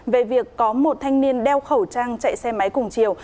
về việc có một thanh niên đeo khẩu trang chạy xe máy cùng chiều